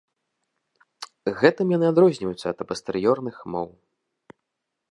Гэтым яны адрозніваюцца ад апастэрыёрных моў.